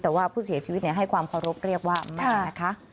แต่ว่าผู้เสียชีวิตให้ความเคารพเรียกว่าแม่นะคะ